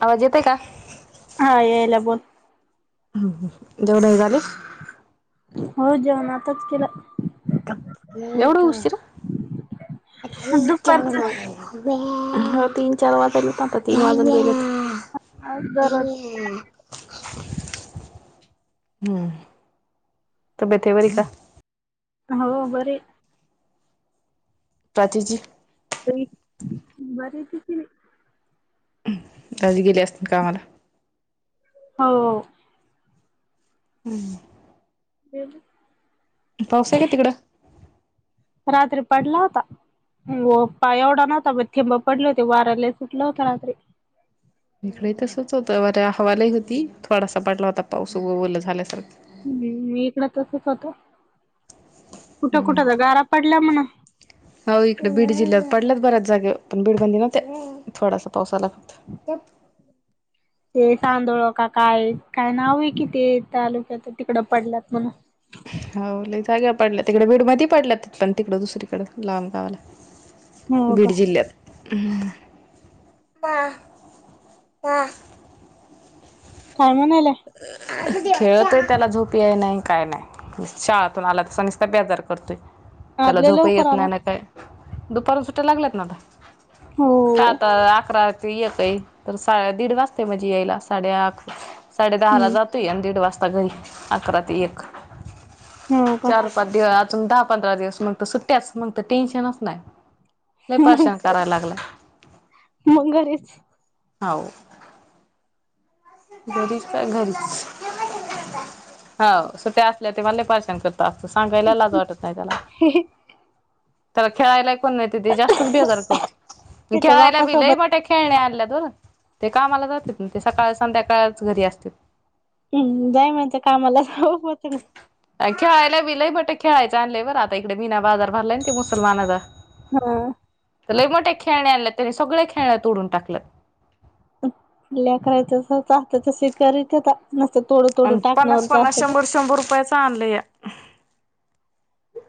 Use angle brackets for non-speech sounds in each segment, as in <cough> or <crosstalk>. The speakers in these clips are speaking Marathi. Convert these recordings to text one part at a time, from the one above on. आवाज येतोय का? हा यायलाय बोल. <unintelligible> झालीस? हो जेवण आताच केल. एवढा उशीर? हां दुपारचं तीन चार वाजायलेत आता तीन वाजून गेलेत. <inaudible> दररोज हम्म तब्येत तेे बरीये का? हो बरीये प्राचीची. बरीये तीची बी. आज गेली असल कामाला? हो हम्म <inaudible> पाऊस आहे का तिकड? रात्री पडला होता. पहा एवढा नव्हता बघ थेंब पडले होती वारा लय सुटला होता रात्री. इकडे्ही तसच होत बर हवा लई होती थोडासा पडला होता पाऊस उग ओल झाल्यासारख. हम्म इकड तसच होत. कुठ हम्म कुठ तर गारा पडल्या म्हण. हो इकड बीड जिल्ह्यात पडल्यात बऱ्याच जागेवर पण बीड मध्ये नव्हत्या त थोडासा पाऊस आला. फक्त ते सांदोळ का काय काय नाव आहे कि ते तालुक्यात तिकड पडल्यात म्हणून‌ हो लई जाग्यावर पडला तिकड बीड मध्ये पडल्यात पण तिकड दुसरीकड लांब गावाला. हो का बीड जिल्ह्यात. काय म्हणाला? खेळतय त्याला झोप याय नाही काय नाय. शाळातून आला तस नीसता बेजार करतोय आज त्याला लय झोप ही लवकर येत आला नाही ना काय दुपारच्या सुट्या लागल्यात ना आता, का हो आता अकरा ते येतय तर दीड वाजते म्हणजे यायला साडे आ साडे दहा ला हम्म जात तय आन दीड वाजता घरी अकरा ते एक. हो का? पद्य अजून दहा पंधरा दिवस मग सुट्ट्याच मग तर टेन्शनच नाय. लय परशान कराय लागला. मंग घरीच. हाव. घरीच काय घरीच हाव सुट्ट्या ते मला परशान करत असत सांगायला ला लाज वाटत नाही त्याला. <inaudible> तेला खेळायला ही कोण नाही त ते जास्तच बेजार करतय त्याच्या खेळायला बि बापासोबत लई बट्या खेळणे आणल्या त ते कामाला जातात ते सकाळ संध्याकाळच घरी असते. हम्म जाईनात कामाला जाऊ हो खेळायला बि लय बट खेळायचं आणलंय बर आता इकडे मीना बाजार भरलाय ते मुसलमानाचा. हां. त लय मोठ्या खेळणे आणले तेनी सगळं खेळणे तोडून टाकलं. लेकरं हाईत तस <unintelligible> नसत तोड अन पन्नास- पन्नास शंभर- शंभर रुपयाच आणले या.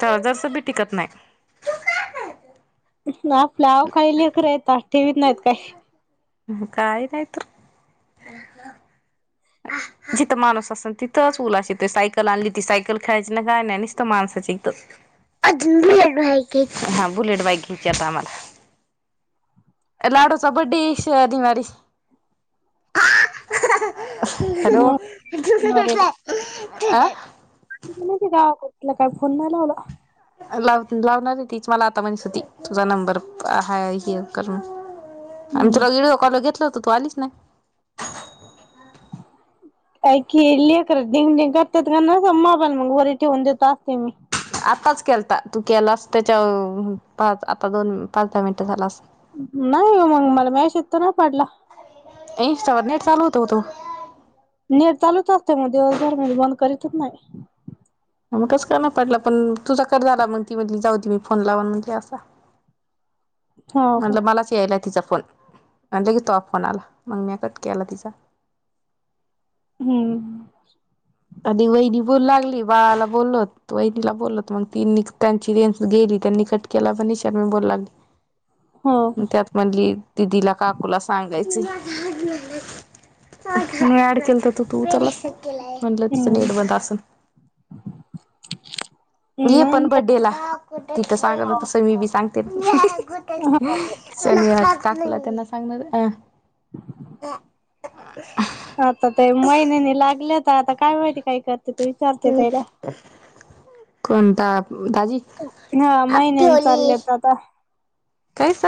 तर जरस भी टिकत नाय. <unintelligible> काही लेकरं येता ठेवीत नाहीत काय. काय नाहीत. जिथं माणूस असल तिथंच उलाशीत सायकल आणली ती सायकल खेळायची ना काय नाय नसत माणसाच्या इथं. हा बुलेट बाईक घ्यायची आता आम्हाला. लाडो चा बड्डे ये शनिवारी. हॅलो आ? ह <unintelligible> कुटलं काय फोन नाही लावला. लाव लावणार ये तीच मला आता म्हणत होती तुझा नंबर हा ह करून आमी हम्म तुला इडीओ काल घेतल होत तू आलीच नाय. काय की लेकर दिंद दिंग करतात म्हणू का मोबाईल मग वरे ठेवून देत असते मी. आताच केलता तू केलास त्याच्या पाच आता दोन पाच दहा मिनिटं झाला अस नाही हो मंग मला मेशज तर नाय पडला इन्स्टावर नेट चालवत होत नेट चालूचं असत मग दिवसभर मी बंद करीतच नाय. मग कस काय म पडला पण तुझा कट झाला मंग ती म्हटली जाऊदित मी फोन लावन म्हणली आता. हो का म्हणलं मलाच यायला तिचा फोन, आणि लगेच तुझा फोन आला, मंग म्या कट केला तिचा. हम्म. आधी वहिनी बोलू लागली, बाळाला बोललोत वहिणीला बोलत, मंग ति त्यांची रेंज गेली त्यांनी कट केला पण निशर्मी बोलू लागली. हो का म त्यात म्हणली दिदीला काकूला सांगायच. मी ऍड केलं तर तू तू उचलाच नाही म्हणलं तिचं हम्म नीट बंद असन <inaudible> ये पण नाही बर्थडेला तिथं सांग तस मी बी सांगते. हा <unintelligible> च टाकलं सांगण- आता ते महिन्यानी लागले तर आता काय माहिती काही कर ते ते ह् कोणता दाजी हा हैप्पी महिन्यान होली चाललेत आता. काय सर